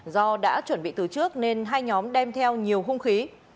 do đã chuẩn bị từ trước nên hai nhóm đem theo nhiều hung khí